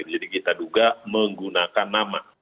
jadi kita duga menggunakan nama